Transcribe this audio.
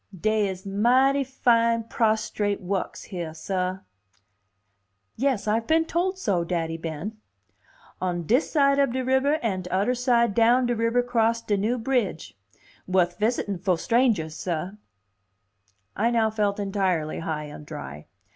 "Dey is mighty fine prostrate wukks heah, sah." "Yes, I've been told so, Daddy Ben." "On dis side up de ribber an' tudder side down de ribber 'cross de new bridge. Wuth visitin' fo' strangers, sah." I now felt entirely high and dry.